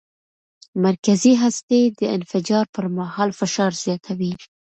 مرکزي هستي د انفجار پر مهال فشار زیاتوي.